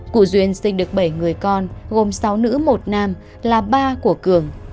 cụ duyên sinh được bảy người con gồm sáu nữ một nam là ba của cường